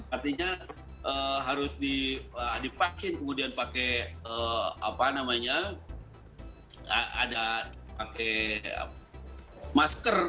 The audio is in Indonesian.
artinya harus dipaksin kemudian pakai apa namanya ada pakai masker